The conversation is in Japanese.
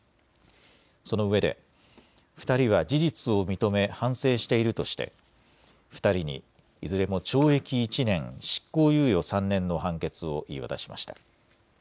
そのうえで２人は事実を認め反省しているとして２人にいずれも懲役１年、執行猶予３年の判決を言い渡しました。